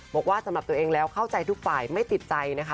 บอกว่าสำหรับตัวเองแล้วเข้าใจทุกฝ่ายไม่ติดใจนะคะ